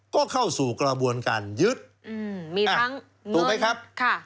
ก็เข้าสู่กระบวนการยึดทั้งถูกไหมครับ